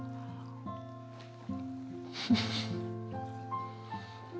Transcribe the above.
フフッ。